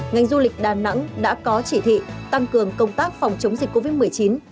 ngành du lịch đà nẵng đã có chỉ thị tăng cường công tác phòng chống dịch covid một mươi chín